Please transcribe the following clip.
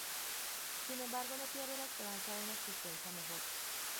Sin embargo no pierde la esperanza de una existencia mejor.